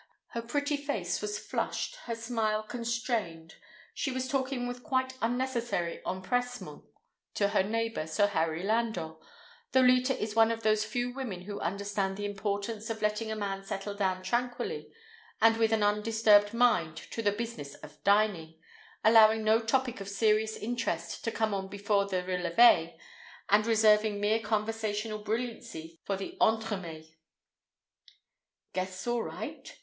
Her pretty face was flushed, her smile constrained, she was talking with quite unnecessary empressement to her neighbor, Sir Harry Landor, though Leta is one of those few women who understand the importance of letting a man settle down tranquilly and with an undisturbed mind to the business of dining, allowing no topic of serious interest to come on before the relevés, and reserving mere conversational brilliancy for the entremets. Guests all right?